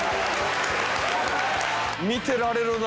見てられるな。